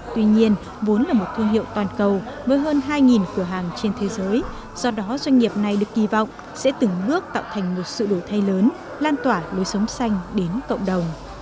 tuy nhiên vốn là một thương hiệu toàn cầu với hơn hai cửa hàng trên thế giới do đó doanh nghiệp này được kỳ vọng sẽ từng bước tạo thành một sự đổi thay lớn lan tỏa lối sống xanh đến cộng đồng